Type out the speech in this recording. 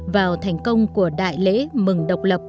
vào thành công của đại lễ mừng độc lập